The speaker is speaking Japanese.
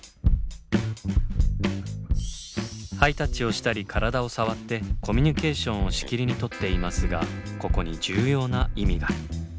ハイタッチをしたり体を触ってコミュニケーションをしきりにとっていますがここに重要な意味が。